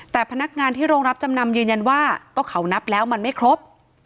แต่พนักงานที่โรงรับจำนำยืนยันว่าก็เขานับแล้วมันไม่ครบ